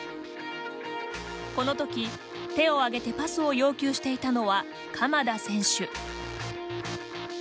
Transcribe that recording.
この時、手を挙げてパスを要求していたのは鎌田選手。